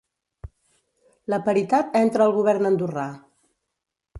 La paritat entra al govern Andorrà